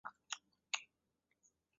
游戏介面似受世纪帝国系列的影响。